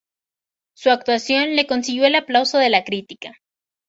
Su actuación le consiguió el aplauso de la crítica.